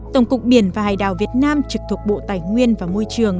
tổng cục biển và hải đảo việt nam trực thuộc bộ tài nguyên và môi trường